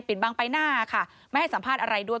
บางใบหน้าค่ะไม่ให้สัมภาษณ์อะไรด้วย